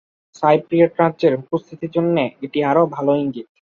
Cypriot রাজ্যের উপস্থিতির জন্য এটি আরও ভাল ইঙ্গিত।